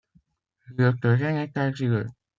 Le terrain est argileux.